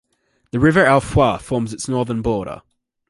The river Alfeios forms its northern border.